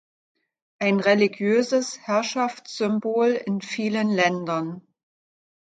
Ein religiöses Herrschaftssymbol in vielen Ländern.